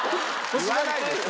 言わないですよ。